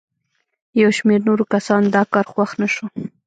یو شمېر نورو کسانو دا کار خوښ نه شو.